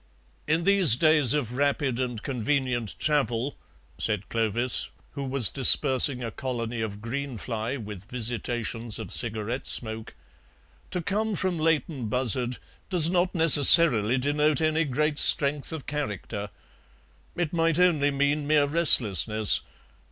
"In these days of rapid and convenient travel," said Clovis, who was dispersing a colony of green fly with visitations of cigarette smoke, "to come from Leighton Buzzard does not necessarily denote any great strength of character. It might only mean mere restlessness.